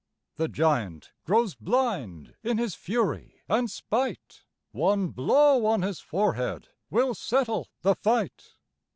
The giant grows blind in his fury and spite, One blow on his forehead will settle the fight!